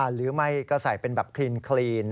หรือไม่ก็ใส่เป็นแบบคลีน